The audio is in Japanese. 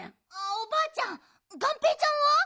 おばあちゃんがんぺーちゃんは？